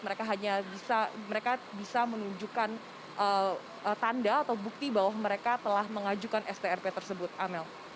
mereka hanya bisa mereka bisa menunjukkan tanda atau bukti bahwa mereka telah mengajukan strp tersebut amel